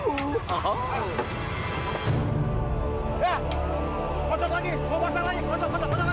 yah kocok lagi mau pasang lagi kocok kocok lagi bangat